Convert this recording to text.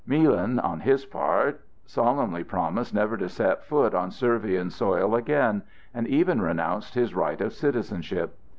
Milan on his part solemnly promised never to set foot on Servian soil again, and even renounced his right of citizenship.